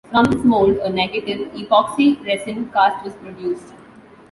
From this mould a negative epoxy resin cast was produced.